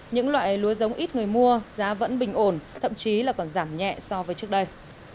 những loại lúa giống ít người mua giá vẫn bình ổn thậm chí là còn giảm nhẹ so với trước đây